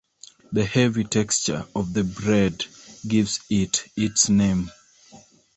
The heavy texture of the bread gives it its name.